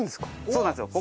そうなんですよ。